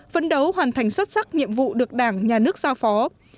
vấn đấu hoàn thành xuất sắc nhiệm vụ được đảng nhà nước giao phó